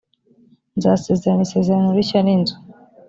nzasezerana isezerano rishya n inzu